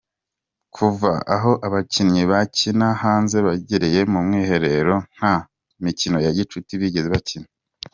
Kuva aho abakinnyi bakina hanze bagereye mu mwiherero, nta mikino ya gicuti bigeze bakina.